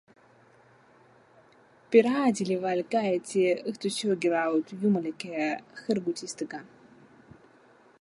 Piraadilaeval kaeti õhtusöögilaud jumalike hõrgutistega.